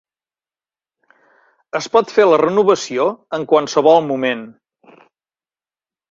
Es pot fer la renovació en qualsevol moment.